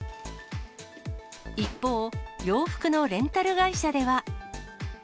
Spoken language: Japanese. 一方、洋服のレンタル会社では。